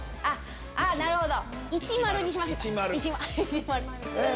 なるほど！